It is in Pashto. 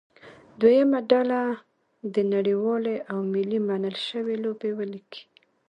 دویمه ډله دې نړیوالې او ملي منل شوې لوبې ولیکي.